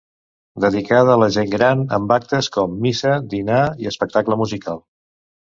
Dedicada a la gent gran amb actes com missa, dinar i espectacle musical.